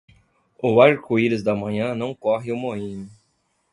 O arco-íris da manhã não corre o moinho.